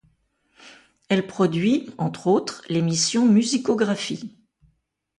Elle produit, entre autres, l'émission Musicographie.